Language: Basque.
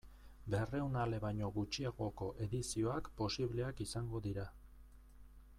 Berrehun ale baino gutxiagoko edizioak posibleak izango dira.